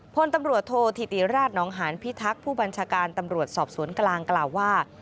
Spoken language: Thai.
พลตำรวจโทษธิติราชนองหานพิทักษ์ผู้บัญชาการตำรวจสอบสวนกลางกล่าวว่า